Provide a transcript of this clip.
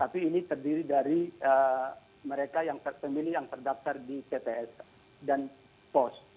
tapi ini terdiri dari mereka yang pemilih yang terdaftar di tps dan pos